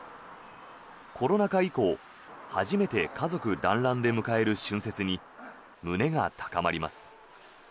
コロナ禍以降初めて家族だんらんで迎える春節に胸が高まります。